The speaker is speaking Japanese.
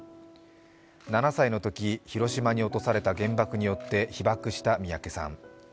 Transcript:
７歳のとき、広島に落とされた原爆によって被爆した三宅さん。